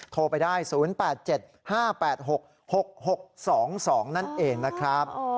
โทรไปได้๐๘๗๕๘๖๖๖๒๒นั่นเองนะครับ